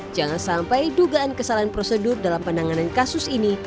jangan sampai dugaan kesalahan prosedur dalam penanganan kasus ini